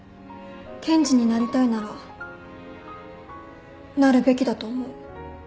検事になりたいならなるべきだと思う。